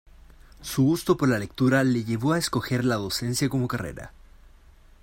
Su gusto por la lectura le llevó a escoger la docencia como carrera.